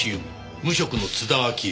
無職の津田明江。